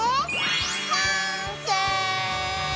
完成！